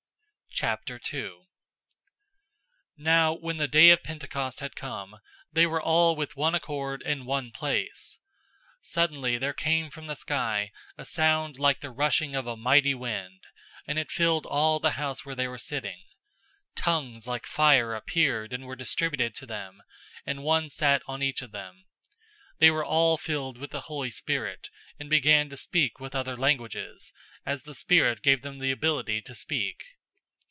002:001 Now when the day of Pentecost had come, they were all with one accord in one place. 002:002 Suddenly there came from the sky a sound like the rushing of a mighty wind, and it filled all the house where they were sitting. 002:003 Tongues like fire appeared and were distributed to them, and one sat on each of them. 002:004 They were all filled with the Holy Spirit, and began to speak with other languages, as the Spirit gave them the ability to speak.